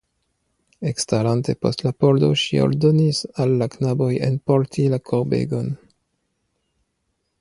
Ekstarante post la pordo ŝi ordonis al la knaboj enporti la korbegon.